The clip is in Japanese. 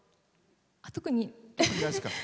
特に。